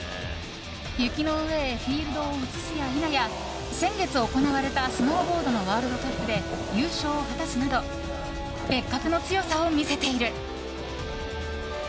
雪の上へフィールドを移すや否や先月行われたスノーボードのワールドカップで優勝を果たすなど別格の強さを見せている。